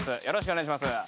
よろしくお願いします。